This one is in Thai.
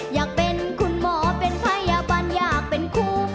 อยากเป็นคุณหมอเป็นพยาบาลอยากเป็นคู่